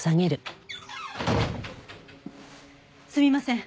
すみません。